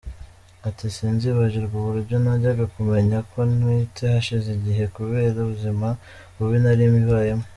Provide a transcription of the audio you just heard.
Ati “Sinzibagirwa uburyo najyaga kumenya ko ntwite hashize igihe kubera ubuzima bubi nari mbayemo.